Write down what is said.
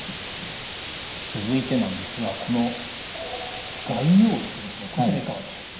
続いてなんですがこの外用薬ですねこちらいかがでしょう？